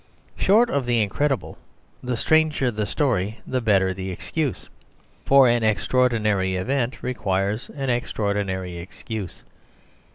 Short of the incredible, the stranger the story the better the excuse; for an extraordinary event requires an extraordinary excuse.